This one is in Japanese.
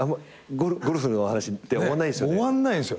ゴルフの話って終わんないですよね。